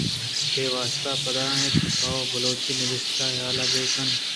اے واست ءَ باید انت تو بلوچی نبشتہ ءَ ھیل بہ کن ئے۔